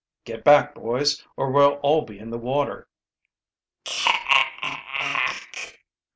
"Get back, boys, or we'll all be in the water!"